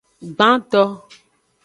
Gbanto.